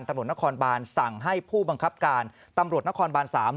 ตำรวจนครบานสั่งให้ผู้บังคับการตำรวจนครบาน๓